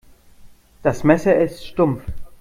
Das Messer ist stumpf.